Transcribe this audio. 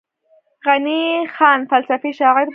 غني خان فلسفي شاعر دی.